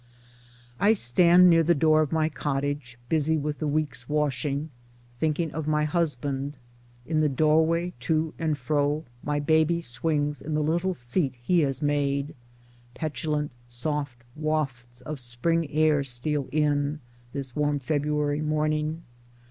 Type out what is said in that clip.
I stand near the door of my cottage, busy with the week's washing, thinking of my husband ; in the doorway to and fro my baby swings in the little seat he has made ; petulant soft wafts of spring air steal in, this warm February morn ing.